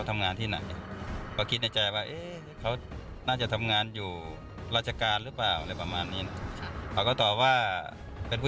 ตอนที่๓เขาก็ินทำงานที่ที่ต่องข้อ